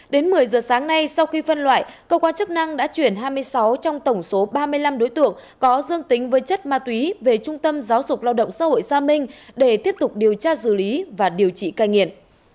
đến một mươi giờ sáng nay sau khi phân loại cơ quan chức năng đã chuyển hai mươi sáu trong tổng số ba mươi năm đối tượng có dương tính với chất ma túy về trung tâm giáo dục lao động xã hội sa minh để tiếp tục điều tra xử lý và điều trị cai nghiện